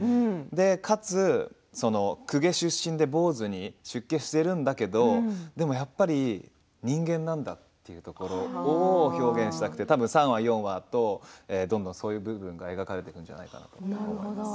かつ公家出身で坊主に出家しているんだけれどでもやっぱり人間なんだというところを表現したくて多分３話、４話とどんどんそういう部分が描かれていくんじゃないかなと思います。